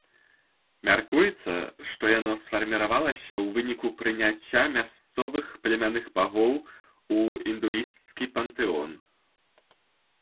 Мяркуецца, што яно сфарміравалася ў выніку прыняцця мясцовых племянных багоў у індуісцкі пантэон.